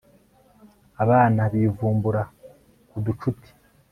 abana bivumbura ku ducuti